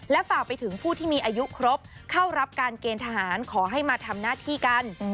ฝากไปถึงผู้ที่มีอายุครบเข้ารับการเกณฑ์ทหารขอให้มาทำหน้าที่กัน